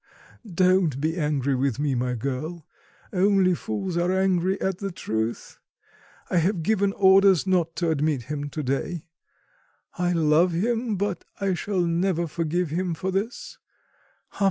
Don't be angry with me, my girl, only fools are angry at the truth. I have given orders not to admit him to day. I love him, but I shall never forgive him for this.